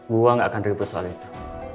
gue gak akan ribet soal itu